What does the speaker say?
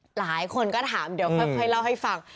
หลายคนก็ถามเดี๋ยวค่อยเล่าให้ฟัง